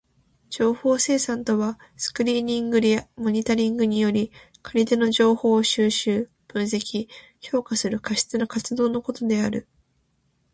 情報生産とはスクリーニングやモニタリングにより借り手の情報を収集、分析、評価する貸し手の活動のことである。